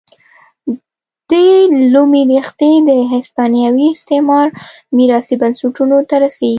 دې لومې ریښې د هسپانوي استعمار میراثي بنسټونو ته رسېږي.